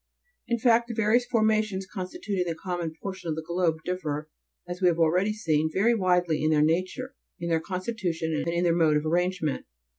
24. In fact, the various formations constituting the common por tion of the globe differ, as we have already seen, very widely in their nature, in their constitution, and in their mode of arrange ment.